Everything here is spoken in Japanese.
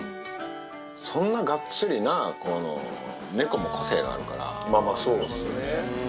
そんながっつりな、猫も個性まあまあ、そうですね。